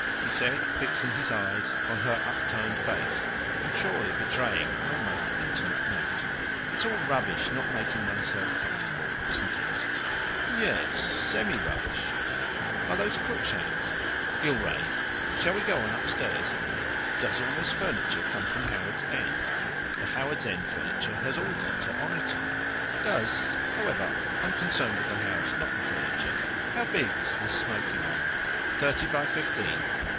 he said, fixing his eyes on her upturned face, and surely betraying an almost intimate note. "It's all rubbish not making oneself comfortable. Isn't it?" "Ye es. Semi rubbish. Are those Cruikshanks?" "Gillrays. Shall we go on upstairs?" "Does all this furniture come from Howards End?" "The Howards End furniture has all gone to Oniton." "Does However, I'm concerned with the house, not the furniture. How big is this smoking room?" "Thirty by fifteen.